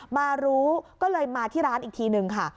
มารู้ก็เลยมาที่ร้านอีกทีนึงค่ะ